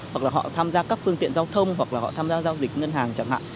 hoặc là họ tham gia các phương tiện giao thông hoặc là họ tham gia giao dịch ngân hàng chẳng hạn